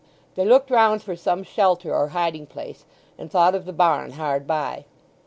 They looked round for some shelter or hiding place, and thought of the barn hard by.